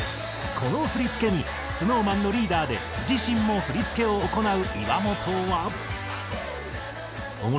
この振付にＳｎｏｗＭａｎのリーダーで自身も振付を行う岩本は。